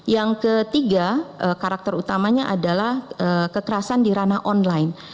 yang ketiga karakter utamanya adalah kekerasan di ranah online